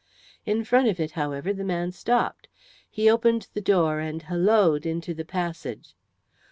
In front of it, however, the man stopped; he opened the door and halloaed into the passage.